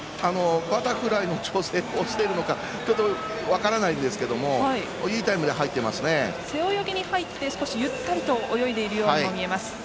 バタフライの調整をしているのか分からないですけども背泳ぎに入って少しゆったりと泳いでいるようにも見えます。